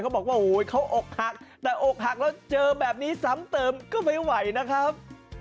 บอกว่าโอ้โหเขาอกหักแต่อกหักแล้วเจอแบบนี้ซ้ำเติมก็ไม่ไหวนะครับ